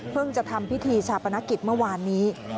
จะทำพิธีชาปนกิจเมื่อวานนี้